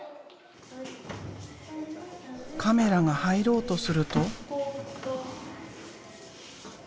カメラが入ろうとすると。